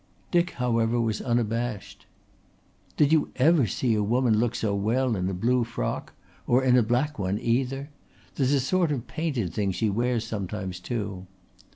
Dick however was unabashed. "Did you ever see a woman look so well in a blue frock? Or in a black one either? There's a sort of painted thing she wears sometimes too.